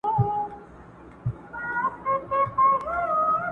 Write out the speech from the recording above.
پردي توپونه به غړومبېږي د قیامت تر ورځي،